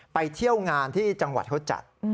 ไปเที่ยวงานที่จังหวัดเขาจัด